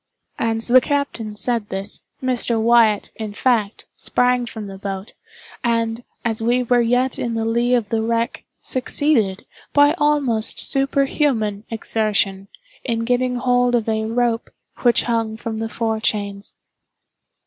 As the captain said this, Mr. Wyatt, in fact, sprang from the boat, and, as we were yet in the lee of the wreck, succeeded, by almost superhuman exertion, in getting hold of a rope which hung from the fore chains.